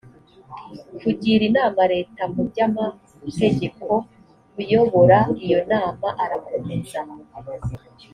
kugira inama leta mu by amategeko uyobora iyo nama arakomeza